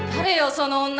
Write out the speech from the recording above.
その女。